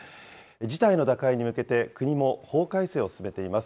事態の打開に向けて国も法改正を進めています。